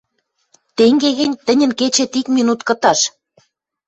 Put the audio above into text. Тенге гӹнь, тӹньӹн кечет ик минут кыташ!